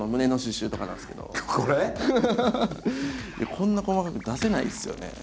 こんな細かく出せないんですよね。